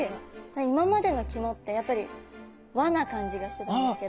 今までの肝ってやっぱり和な感じがしてたんですけど。